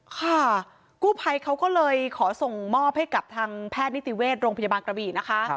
ค่ะกู้ภัยเขาก็เลยขอส่งมอบให้กับทางแพทย์นิติเวชโรงพยาบาลกระบี่นะคะ